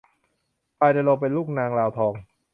พลายณรงค์เป็นลูกนางลาวทอง